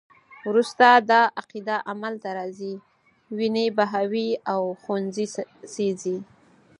وروسته دا عقیده عمل ته راځي، وینې بهوي او ښوونځي سیزي.